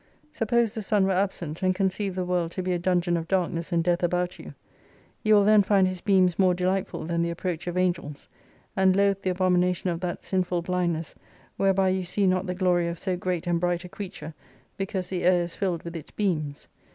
Suppose the Sun were absent, and conceive the world to be a dungeon of darkness and death about you : you will then find his beams more delightful than the approach of Angels : and loath the abomination of that sinful blindness, whereby you see not the glory of so great and bright a creature, because the air is filled with its beams.